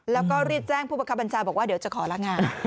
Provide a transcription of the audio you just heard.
แล้วก็รีบแจ้งผู้ประคับบัญชาบอกว่าเดี๋ยวจะขอละงาน